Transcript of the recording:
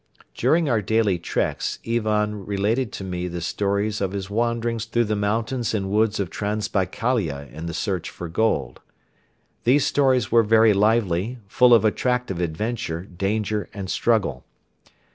During our daily treks Ivan related to me the stories of his wanderings through the mountains and woods of Transbaikalia in the search for gold. These stories were very lively, full of attractive adventure, danger and struggle.